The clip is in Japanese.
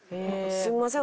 「すみません。